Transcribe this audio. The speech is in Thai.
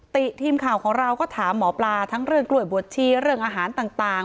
ติทีมข่าวของเราก็ถามหมอปลาทั้งเรื่องกล้วยบวชชีเรื่องอาหารต่าง